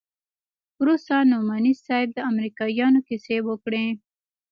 وروسته نعماني صاحب د امريکايانو کيسې وکړې.